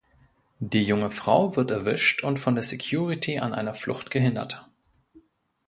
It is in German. Die junge Frau wird erwischt und von der Security an einer Flucht gehindert.